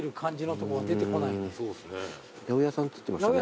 八百屋さんっつってましたよね。